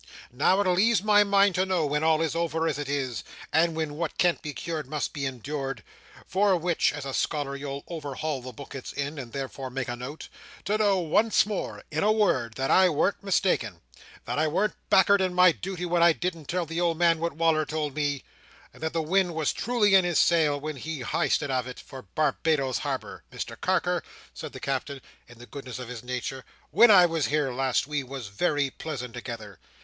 Now it'll ease my mind to know, when all is over, as it is, and when what can't be cured must be endoored—for which, as a scholar, you'll overhaul the book it's in, and thereof make a note—to know once more, in a word, that I warn't mistaken; that I warn't back'ard in my duty when I didn't tell the old man what Wal"r told me; and that the wind was truly in his sail, when he highsted of it for Barbados Harbour. Mr Carker," said the Captain, in the goodness of his nature, "when I was here last, we was very pleasant together.